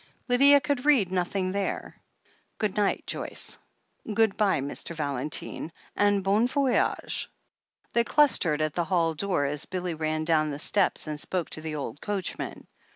Lydia could read nothing there. "Good night, Joyce — ^good bye, Mr. Valentine — ^and bon voyage.^ They clustered at the hall door as Billy ran down the steps and spoke to the old coachman.